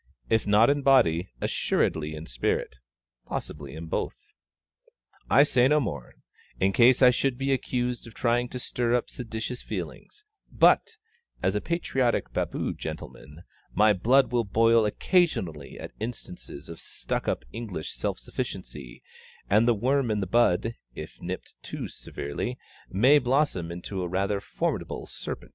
_ If not in body, assuredly in spirit. Possibly in both. I say no more, in case I should be accused of trying to stir up seditious feelings; but, as a patriotic Baboo gentleman, my blood will boil occasionally at instances of stuck up English self sufficiency, and the worm in the bud, if nipped too severely, may blossom into a rather formidable serpent!